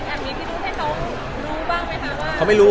อันนี้พี่พุทธให้น้องรู้บ้างมั้ยคะว่า